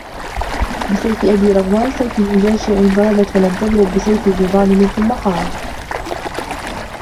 بِسَيْفِ أَبِي رَغْوَانَ سَيْفِ مُجَاشِعٍ ضَرَبْت وَلَمْ تَضْرِبْ بِسَيْفِ ابْنِ ظَالِمِ ثُمَّ قَالَ